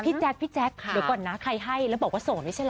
แจ๊คพี่แจ๊คเดี๋ยวก่อนนะใครให้แล้วบอกว่าโสดไม่ใช่เหรอ